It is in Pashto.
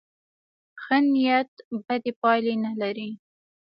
ښه نیت بدې پایلې نه لري.